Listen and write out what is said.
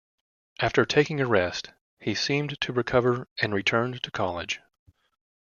After taking a rest, he seemed to recover and returned to college.